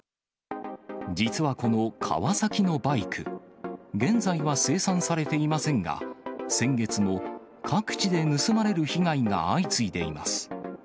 実はこのカワサキのバイク、現在は生産されていませんが、先月も各地で盗まれる被害が相次いでいます。